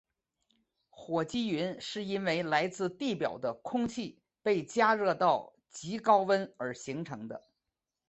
火积云是因为来自地表的空气被加热到极高温而形成。